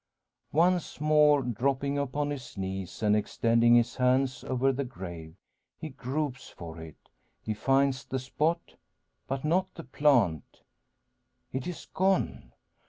Once more dropping upon his knees, and extending his hands over the grave, he gropes for it. He finds the spot, but not the plant. It is gone!